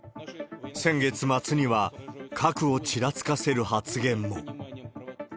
先月末には、核をちらつかせる発言も。